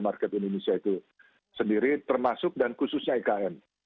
market indonesia itu sendiri termasuk dan khususnya ikn